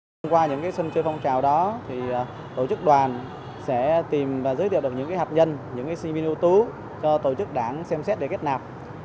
thông qua những sân chơi phong trào đó tổ chức đoàn sẽ tìm và giới thiệu được những hạt nhân những sinh viên ưu tú cho tổ chức đảng xem xét để kết nạp